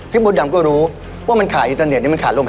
พี่มดดำก็รู้ว่ามันขายอินเทอร์เน็ต